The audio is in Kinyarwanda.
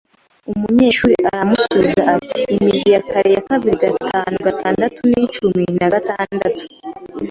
Umunyeshuri aramusubiza ati: "Imizi ya kare ya kabirigatanugatandatu ni cumi na gatandatu."